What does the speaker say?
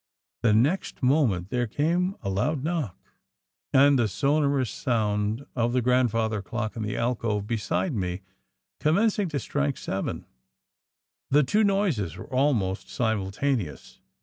The next moment there came a loud knock and the sonorous sound of the grandfather clock in the alcove beside me commencing to strike seven, the two noises were almost simultaneous.